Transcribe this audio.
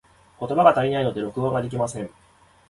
言葉が足りないので、録音ができません。